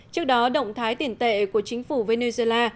trước đó động thái tiền tệ của chính phủ venezuela